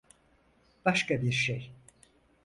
Başka bir şey.